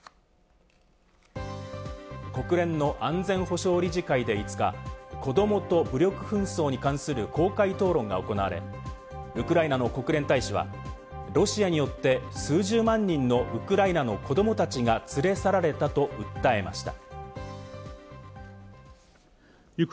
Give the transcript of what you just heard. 国連の安全保障理事会で５日、子どもと武力紛争に関する公開討論が行われ、ウクライナの国連大使は、ロシアによって数十万人のウクライナの子どもたちが連れ去られたと訴えました。